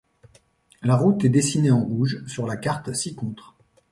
La route est dessinée en rouge sur la carte ci-contre.